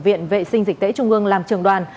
viện vệ sinh dịch tễ trung ương làm trường đoàn